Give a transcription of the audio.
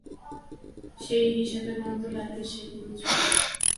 সেই হিসাবে নন্দলালের সে গুরুজন।